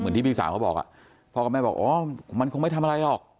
ที่พี่สาวเขาบอกอ่ะพ่อกับแม่บอกอ๋อมันคงไม่ทำอะไรหรอก